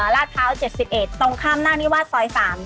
ลาดพร้าว๗๑ตรงข้ามหน้าคนิวาสซอย๓